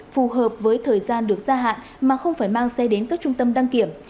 phù hợp với thời gian được gia hạn mà không phải mang xe đến các trung tâm đăng kiểm